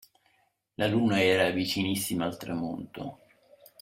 La luna era vicinissima al tramonto.